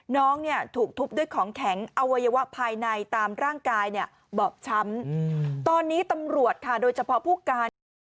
น้องเนี่ยถูกทุบด้วยของแข็งอวัยวะภายในตามร่างกายเนี่ยบอบช้ำตอนนี้ตำรวจค่ะโดยเฉพาะผู้การเอง